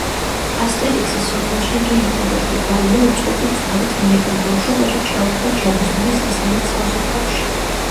ასტერიქსის სოფელში იგი ერთადერთი გალია უწყვეტი ძალით, ვინაიდან ბავშვობაში ჩავარდა ჯადოსნური სასმელით სავსე ქვაბში.